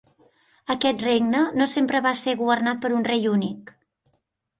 Aquest regne no sempre va ser governat per un rei únic.